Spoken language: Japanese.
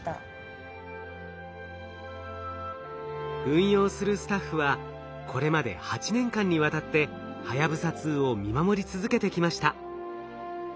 運用するスタッフはこれまで８年間にわたってはやぶさ２を見守り続けてきました。